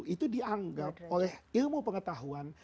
itu dianggap oleh ilmu pengetahuan